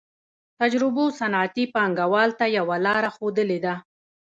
تجربو صنعتي پانګوالو ته یوه لار ښودلې ده